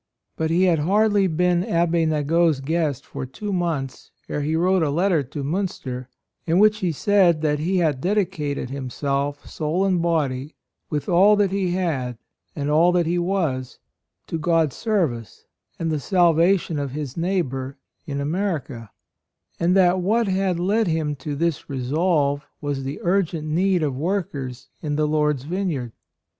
But he had hardly been Abbe Nagot's guest for two months ere he wrote a letter to Minister, in which he said that he had dedicated himself, soul and body, with all that he had and all that he was, to God's service and the salva AND MOTHER. 59 tion of his neighbor in America ; and that what had led him to this resolve was the urgent need of workers in the Lord's vine yard.